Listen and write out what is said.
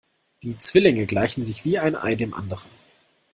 Die Zwillinge gleichen sich wie ein Ei dem anderen.